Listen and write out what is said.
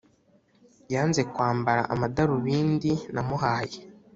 yanze kwambara ama darubindi namuhaye